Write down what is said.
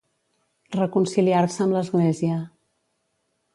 Reconciliar-se amb l'església.